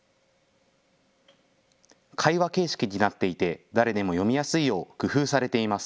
会話形式になっていて誰でも読みやすいよう工夫されています。